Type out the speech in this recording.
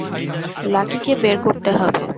লাকিকে বের করতে হবে।